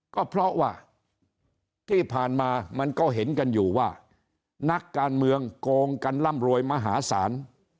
ก็เพราะว่าที่ผ่านมามันก็เห็นกันอยู่ว่านักการเมืองโกงกันร่ำรวยมหาศาล